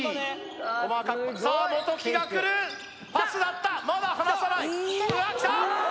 細かくさあ元木がくるパスだったまだ離さないうわきた！